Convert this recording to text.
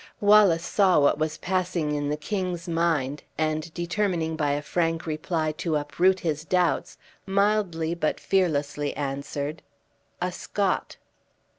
Wallace saw what was passing in the king's mind, and determining by a frank reply to uproot his doubts, mildly but fearlessly answered: "A Scot."